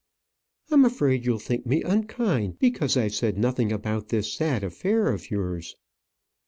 "I'm afraid you'll think me unkind because I've said nothing about this sad affair of yours."